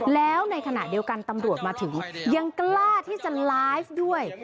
แล้วในขณะเดียวกันตำรวจมาถึงยังกล้าที่จะไลฟ์ด้วย